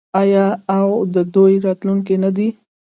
آیا او د دوی راتلونکی نه دی؟